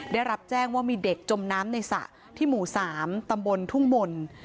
ได้รับแจ้งว่ามีเด็กจมน้ำในสระที่หมู่๓ตำบลทุ่งมนต์